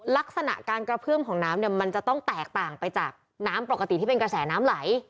ลักษณะการกระเพื่อมของน้ำเนี่ยมันจะต้องแตกต่างไปจากน้ำปกติที่เป็นกระแสน้ำไหล